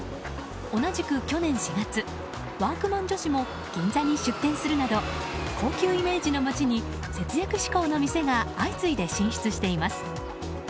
同じく去年４月ワークマン女子も銀座に出店するなど高級イメージの街に節約志向の店が相次いで進出しています。